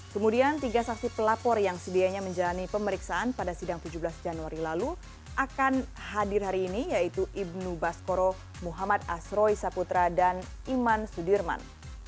kemudian tiga saksi pelapor yang sedianya menjalani pemeriksaan pada sidang tujuh belas januari lalu akan hadir hari ini yaitu ibnu baskoro muhammad asroi saputra dan iman sudirman